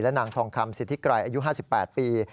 นางทองคำสิทธิไกรอายุ๕๘ปี